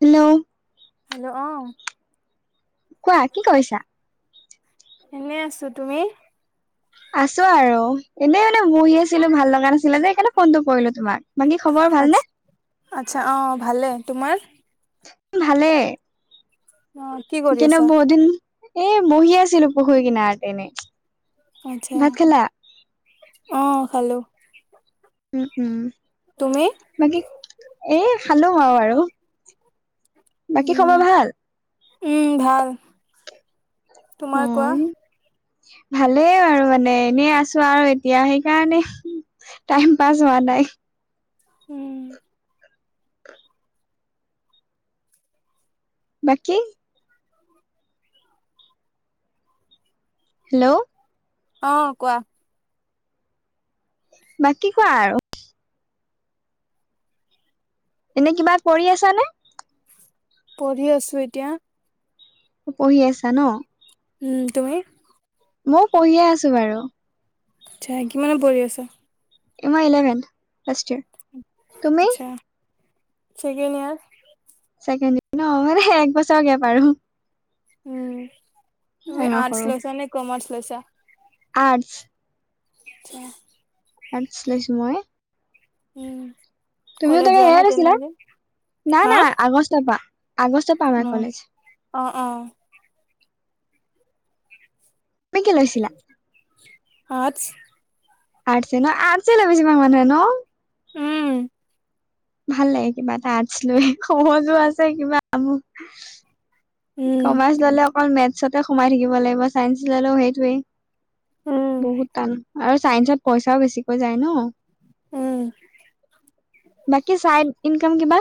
Hello. Hello অঁ। কোৱা কি কৰিছা? এনেই আছো, তুমি? আছো আৰু। এনেই মানে বহি আছিলো ভাল লগা নাছিলে যে সেইকাৰণে ফোনটো কৰিলো তোমাক, বাকী খবৰ ভাল নে? আৎচ্ছা অঁ ভালে, তোমাৰ? এ ভালে। অঁ'। কিন্তু বহুত দিন, এই বহি আছিলো পুখুৰী কিনাত এনেই। আৎচ্ছা, ভাত খালা? অঁ খালো। উম' উম'। তুমি? বাকী এ খালোং আৰু আৰু, বাকী উম খবৰ ভাল? উম ভাল, তোমাৰ কোৱা? অ'। ভালেই আৰু মানে এনেই আছো আৰু এতিয়া, সেইকাৰণে। টাইম পাছ হোৱা নাই। উম'। বাকী- হেল্লৌ' অঁ কোৱা? বাকি কোৱা আৰু? এনেই কিবা কৰি আছা নে? পঢ়ি আছোঁ এতিয়া। পঢ়ি আছা ন? উম', তুমি? মও পঢ়িয়ে আছো বাৰু। আৎচ্ছা, কিমানত পঢ়ি আছা? এইবাৰ ইলেভেন ফাষ্ট ইয়াৰ। আৎচ্ছা, চেকেণ্ড ইয়াৰ। ছেকেণ্ড ইয়েৰ নহয় মানে একবছৰ গেপ আৰু। উম' তুমি ডাঙৰ সৰু আৰ্টছ লৈছা নে কমাৰ্চ লৈছা? আৰ্টচ। আৎচ্ছা। আৰ্টচ লইছো মই। উম'। তুমিও কলেজ তাকে যোৱা নাই সেয়াই তেনে লৈছিলা? আজি? নাই হা? না আগষ্টৰ পৰা আগষ্ট- উম' অঁ অঁ। তুমি কি লৈছা? আৰ্টচ। আৰ্টছে ন আৰ্টছে লয় বেছিভাগ মানুহে ন। উওম'। ভাল লাগে কিবা এটা আৰ্টছ লৈ, সহজো আছে কিবা‌ আৰু। উম কমাৰ্চ ল'লে অকল মেটছতে সোমাই থাকিব লাগিব ছাইন্স ললেও সেইটোৱেই। উম বহুত টান আৰু চাইন্সত পইচাও বেছিকৈ যায় ন। উম বাকী চাইড ইনকাম কিবা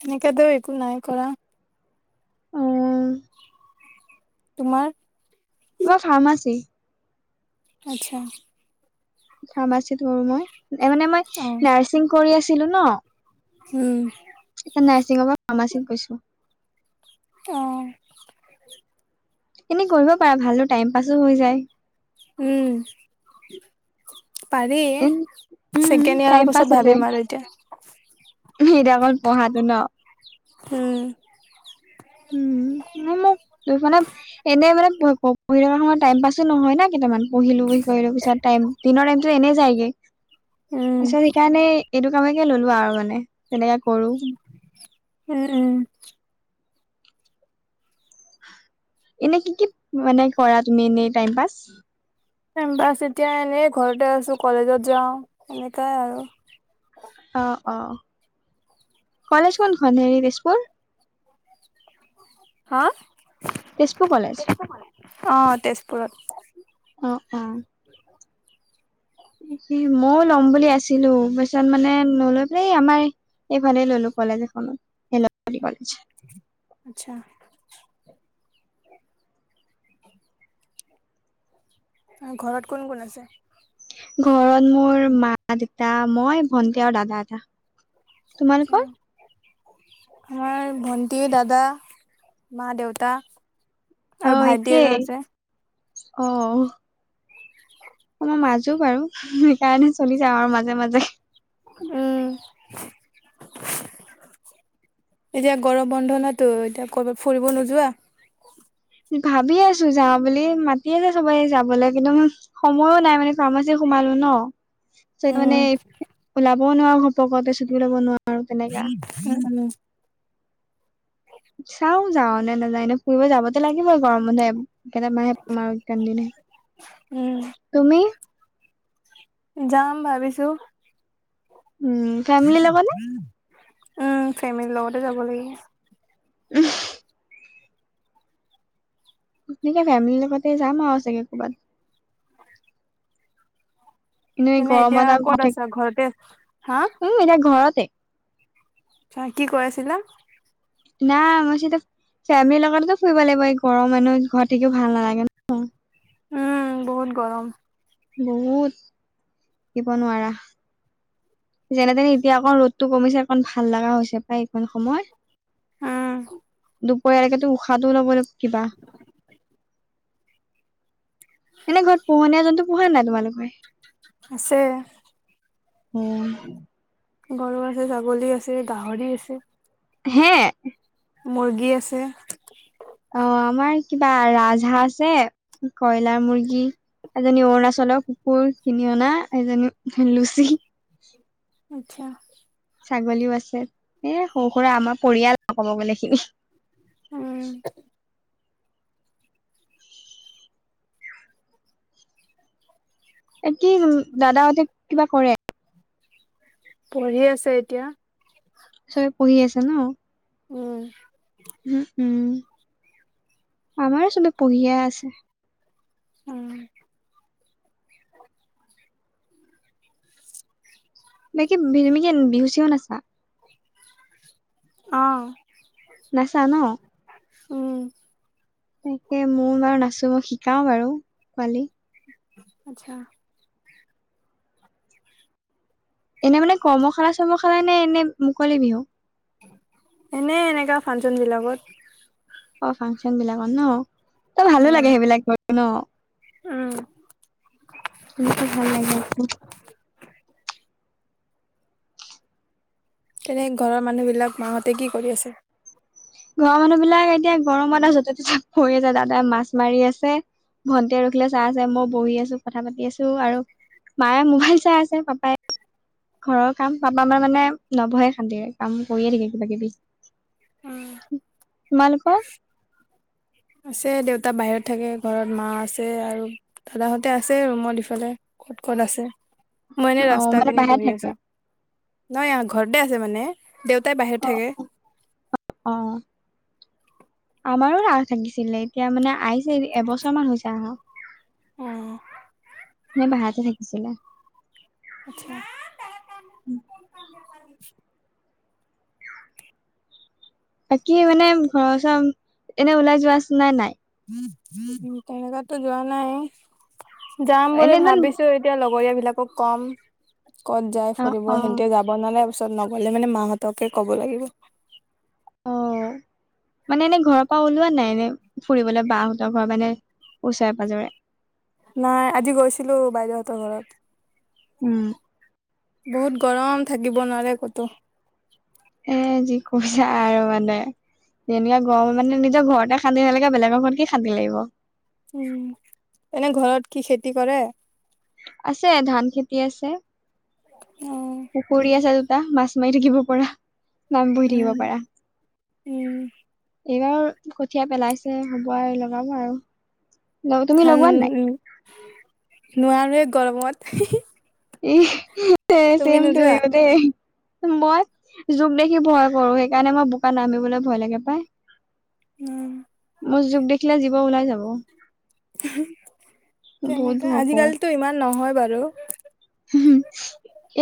তেনেকে তো একো নাই কৰা। উম তোমাৰ মই ফাৰ্মাচী আচ্ছা ফাৰ্মাছিত‌‌ ললো মই, এ মানে মই অ নাৰ্ছিং কৰি আছিলো ন! উম, এতিয়া নাচিং ৰুমৰ ফাৰ্মাছিত কৰিছো। অ, এনে কৰিব পাৰা, ভালো টাইম পাছো হৈ যায়। উম, পাৰি এ উম ছেকেণ্ড টাইম ইয়াৰ পাছ পিছত হৈ যায় ভাবিম আৰু এতিয়া। এতিয়া অকল পঢ়াতটো ন। হম, উম তুমি মোক দুখনত এনে মানে ক পঢ়ি থকা সময় টাইম পাছো নহয় না কেইটামান পঢ়িলো কৈ পিছত টাইম দিনৰ টাইমতটো এনেই যায়গে। উম পিছত সেইকাৰণে এইটো কামকে ললো আৰু মানে তেনেকে কৰোঁ। উম, উম। এনে কি, কি মানে কৰা তুমি এনেই টাইম পাচ? টাইম পাছ এতিয়া এনেই ঘৰতে আছোঁ, কলেজত যাওঁ সেনেকাই আৰু। অঁ, অঁ কলেজ কোনখন হেৰি তেজপুৰ। হা তেজপুৰ কলেজ তেজপুৰখন অঁ তেজপুৰত। অ, অ। মই ও ল'ম বুলি আছিলো। তাৰ পিছত মানে, নলৈ পেলাই আমাৰ! এইফালে ললো কলেজ এখনত [unintelligible] আচ্ছ। ঘৰত কোন কোন আছে? ঘৰত মোৰ মা, দেতা মই ভন্টি আৰু দাদা এটা। আচ্ছা। তোমালোকৰ মই ভণ্টি, দাদা, ‌মা, দেউতা। অ আৰু ভাইটি এজন একেই আছে অ। আমাৰ মাজো বাৰু, সেইকাৰণে চলি যাওঁ আৰু মাজে, মাজে। উম, এতিয়া গৰম বন্ধ নহতো এতিয়া ক'ৰবাত ফুৰিব নোযোৱা? ভাবি আছো যাওঁ বুলি মাতি আছে সবেই যাবলৈ কিন্তু সময়ো নাই, মানে ফাৰ্মাচী সোমালো ন। চ' সেইটো কাৰণে উম ওলাবও নোৱাৰো ঘপকতে চুটি ল'ব নোৱাৰো। তেনেকা উম, [unintelligible] চাওঁ যাওঁ নে নাযাওঁ, এনেই ফুৰিব যাবতো লাগিবই গৰমতে। কেইটামাহে তোমাৰ টাইম দি দিয়ে। উম তুমি? যাম ভাবিছো। উম, ফেমিলিৰ লগত নে? উম, ফেমেলি লগতে যাব লাগিব। উম। এনেকে ফেমিলিৰ লগতে যাম আৰু চাগে ক'ৰবাত। কিন্তু তেনে এতিয়া গৰমতাম ক'ত [unintelligible] আছা ঘৰতে হা উম, এতিয়া ঘৰতে। অ', কি কৈ আছিলা? না, মই কৈছোঁ এতিয়া, ফেমিলিৰ লগতেতো ফুৰিব লাগিব, এই ঘৰৰ মানুহ ঘৰত থাকিও ভাল নালাগে। উম, বহুত গৰম। বহুত, থাকিব নোৱাৰা। যেনে তেনে এতিয়া অকণ ৰ'দতটো কমিছে, অকণ ভাল লগা হৈছে প্ৰায় এইকণ সময়। আহ। দুপৰীয়াৰ লৈকেতো উশাহটো লবলে কিবা। এনে ঘৰত পোহনীয়া জন্তু পোহে নাই, তোমালোকে? আছে। উম। গৰু আছে, ছাগলী আছে, গাহৰি আছে। হে। মুৰ্গী আছে। অ', আমাৰ কিবা ৰাজহা আছে, কয়লাৰ মুৰ্গী। এজনী অৰুণাচলৰ কুকুৰ কিনি অনা, এজনী লুচি। আচ্ছা। ছাগলীও আছে, এ সৰু-সুৰা আমাৰ পৰিয়াল ক'ব গ'লে এইখিনি। উম। এ কি, দাদাহঁতে কিবা কৰে? পঢ়ি আছে এতিয়া। চোবে পঢ়ি আছে ন'? উম। উম, উম, আমাৰ চবে পঢ়িয়ে আছে। উম। বাকী [unintelligible] বিহু-চিহু নচা? অ'। নাচা ন'? উম। তাকে মইও বাৰু নাচো, শিকাও বাৰু পোৱালী। আচ্ছা। এনে মানে কৰ্মশালা-চৰ্মশালা নে, এনে মুকলি বিহু? এনে এনেকা ফাংচন বিলাকত। অ', ফাংচন বিলাকত ন', ত' ভালোঁ লাগে উম, সেইবিলাক কৰি ন'? উম, তেনেকে ভাল লাগে আকৌ। তেনে ঘৰৰ মানুহবিলাক, মাহঁতে কি কৰি আছে? ঘৰৰ মানুহ বিলাক এতিয়া গৰমতটা য'তে-ত'তে পৰি আছে, দাদাই মাছ মাৰি আছে। ভণ্টিয়ে ৰখিলৈ চাই আছে, মই বহি আছোঁ, কথা পাতি আছো, আৰু মায়ে মোবাইল চাই আছে, পাপায়ে ঘৰৰ কাম, পাপা আমাৰ মানে নবহে শান্তৰে, কাম কৰিয়ে থাকে, কিবা-কিবি। উম। তোমালোকৰ? আছে, দেউতা বাহিৰত থাকে, ঘৰত মা আছে, আৰু দাদাহঁতে আছে ৰুমত ইফালে ক'ত ক'ত আছে, মই এনেই অ ৰাস্তা মানে পিনি বাহিৰত বহি থাকে আছো। নাই আহ ঘৰতে আছে মানে, দেউতাই বাহিৰত থাকে। অ', আমাৰো লাওঁ থাকিছিলে এতিয়া মানে আই এবছৰ মান হৈছে আহাঁ, অ নে বাহিৰতে থাকিছিলে? আচ্ছা [unintelligible] বাকী মানে ঘৰৰ ওচৰত এনে ওলাই যোৱা আছে না নাই? তেনেকাতো যোৱা নাই, যাম বুলি এনে ইমান ভাবিছো এয়া লগৰীয়া বিলাকক কম ক'ত যায় অ ফুৰিব অ সে বনালে পিছত নগ'লে মানে মাহঁতকে ক'ব লাগিব। অ মানে এনে ঘৰৰ পৰা ওলোৱা নাই এনে, ফুৰিবলৈ বাহহোতৰ ঘৰৰ পৰা এনে ওচৰে পাঁজৰে? নাই আজি গৈছিলো বাইদেউহঁতৰ ঘৰত। উম',। বহুত গৰম থাকিব নোৱাৰে ক'তো। এ' যি কৈছা আৰু মানে। যেনেকা গৰম মানে নিজৰ ঘৰতে শান্তি নালাগে, বেলেগৰ ঘৰত কি শান্তি লাগিব। উম', এনে ঘৰত কি খেতি কৰে? আছে ধান খেতি আছে। অ পুখুৰী আছে দুটা মাছ মাৰি থাকিব পৰা। বহি থাকিব উম পাৰা। উম এইবাৰ কঠীয়া পেলাইছে হ'ব আৰু লগাব আৰু। তুমি ধান লগোৱা নাই উম' নোৱাৰোৱে গৰমত। ই ছেম তুমি নোযোৱা ছেমটোয়ু দে। মই জোক দেখি ভয় কৰো, সেইকাৰণে মই বোকাত নামিবলৈ ভয় লাগে পাই। উম',। আৰু জোক দেখিলে জীব ওলাই যাব। বহুত তেনেকে ভয় কৰো আজিকালিতো ইমান নহয় বাৰু।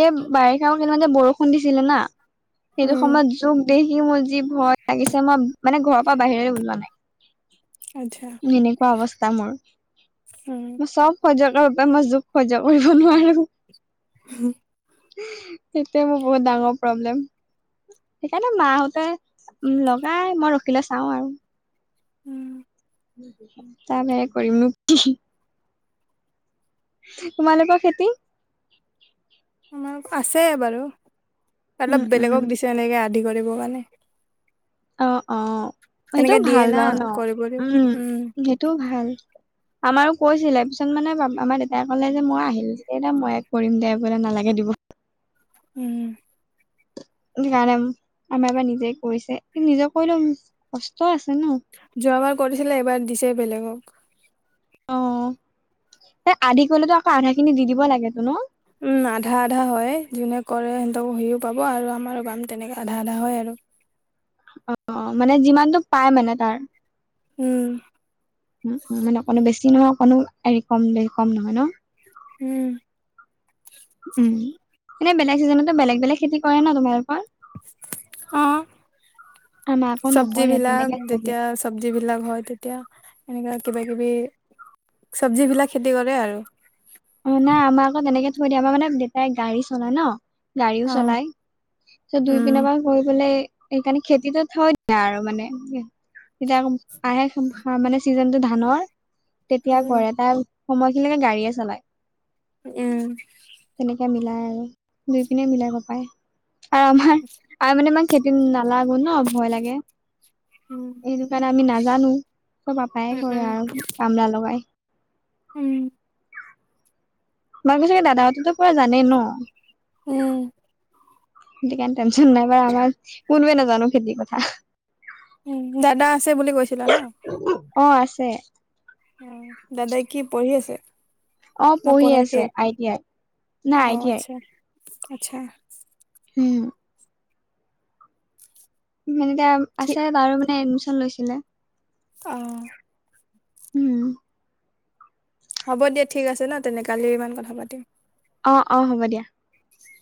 এই বাৰিষাওত কেইদিনমান যে বৰষুণ দিছিলে না। সেইটো উম সময়ত জোক দেখি মোৰ যি ভয় লাগিছে মই মানে ঘৰৰ পৰা বাহিৰে ওলোৱা আচ্ছা নাই। এনেকুৱা অৱস্থা মোৰ, উম মই চ'ব সয্য কৰিব পাৰো, মই জোক সয্য কৰিব নোৱাৰো। [inaudible] সেইটোৱে মোৰ বহুত ডাঙৰ প্ৰব্লেম। সেইকাৰণে মা হতে লগাই, মই ৰখিলে চাওঁ আৰু। উম',। তাৰ বাহিৰে কৰিমনো কি। তোমালোকৰ খেতি? আমাৰ আছে বাৰু উম অলপ উম বেলেগক দিছে এনেকৈ আদি কৰিবৰ কাৰণে। অ', অ', তেনেকে সেইটোও দিয়ে ভাল না বাৰু ন' কৰিব দিব উম', সেইটোও ভাল। আমাৰো কৈছিলে পিছত মানে আমাৰ দেউতাই ক'লে যে মই আহিল যেতিয়া মই কৰিম দে বোলে নালাগে দিব। উম',। সেইকাৰণে আমাৰ এবাৰ নিজে কৰিছে, কিন্তু নিজে কৰিলেও কষ্ট আছে ন'। যোৱাবাৰ কৰিছিলে এইবাৰ দিছে বেলেগক। অ', এ' আদি কৰিলেতো আকৌ আধা খিনি দি দিব লাগেতো ন'? উম', আধা- আধা হয়', যোনে কৰে সিহঁতক সিউ পাব আৰু আমাৰো পাম তেনেকে আধা- আধা হয় আৰু। অ মানে যিমানটো পায় মানে তাৰ। উম উম মানে অকণো বেছি নহয় অকণো হেৰি কম বে কম নহয় ন? উম। উম, এনে বেলেগ চিজনতো বেলেগ-বেলেগ খেতি কৰে ন তোমালোকৰ? অঁ আমাৰ আকৌ চবজি নকৰে বিলাক তেনেকে থৈ দিয়ে যেতিয়া চবজি বিলাক হয় তেতিয়া এনেকা কিবা কিবি চবজি বিলাক খেতি কৰে আৰু। অ নাই আমাৰ আকৌ তেনেকে থৈ দিয়ে, আমাৰ মানে দেউতাই গাড়ী চলাই ন। গাড়ীও অ চলাই, চ দুই পিনে উম পৰা কৰিবলে সেইকাৰণে খেতিটো থই দিয়ে আৰু মানে। তেতিয়া আকৌ আহে সা মানে চিজনটো ধানৰ তেতিয়া উম কৰে, তাৰ সময়খিনিলেকে গাড়ীয়ে চলায়। উম। তেনেকে মিলাই আৰু, দুুই পিনে মিলাই পাপায়। আৰু আমাৰ [inaudible] আৰু মানে ইমান খেতিত নালাগো ন ভয় লাগে। উম। সেইটো কাৰণে আমি নাজানোঁ। চ'ব পাপায়ে উম কৰে উম আৰু কামলা লগাই। উম। তোমালোকৰ চাগে দাদা হঁতো পোৰা জানেই ন? উম। সেইটো কাৰণে টেনশ্যন নাই বাৰু, আমাৰ কোনোৱে নাজানোঁ খেতিৰ পথাৰ! উম' দাদা আছিলা বুলি কৈছিলা ন? অঁ আছে। দাদাই কি পঢ়ি আছে? অ না পঢ়ি পঢ়া আছে শেষ? আই টি আই নাই আই অঁ টি আই আচ্ছা আচ্ছা। হম। মানে এতিয়া ঠিক আছে তাৰো মানে এডমিশ্যন লৈছিলে। অঁ। উম হ'ব দিয়া ঠিক আছে ন তেনে, কালি ইমান কথা পাতিম। অঁ অঁ হ'ব দিয়া।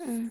উম।